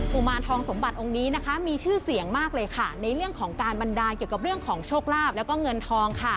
ุมารทองสมบัติองค์นี้นะคะมีชื่อเสียงมากเลยค่ะในเรื่องของการบันดาลเกี่ยวกับเรื่องของโชคลาภแล้วก็เงินทองค่ะ